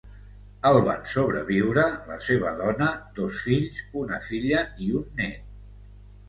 El van sobreviure la seva dona, dos fills, una filla i un nét.